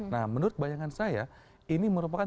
nah menurut bayangan saya ini merupakan